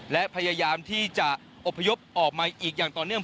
และพยายามที่จะอบพยพออกมาอีกอย่างต่อเนื่อง